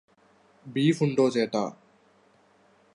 ബീഫുണ്ടോ ചേട്ടാ?